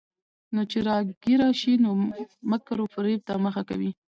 نو چې راګېره شي، مکر وفرېب ته مخه کوي.